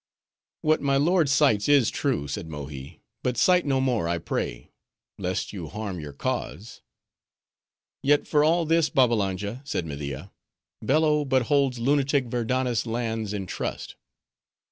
"What my lord cites is true," said Mohi, "but cite no more, I pray; lest, you harm your cause." "Yet for all this, Babbalanja," said Media, "Bello but holds lunatic Verdanna's lands in trust."